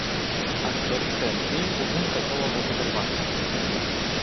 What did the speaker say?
Aș dori să închei cu încă două observații.